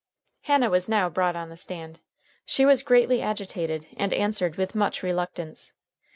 Hannah was now brought on the stand. She was greatly agitated, and answered with much reluctance.